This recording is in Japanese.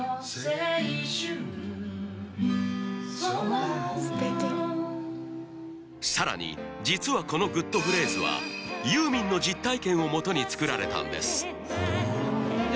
素敵さらに実はこのグッとフレーズはユーミンの実体験をもとに作られたんです